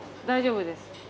大丈夫です。